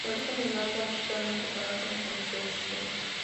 El origen del nombre actual no se conoce con precisión.